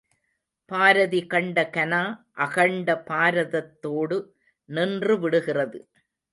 பாரதி கண்ட கனா அகண்ட பாரதத்தோடு நின்றுவிடுகிறது.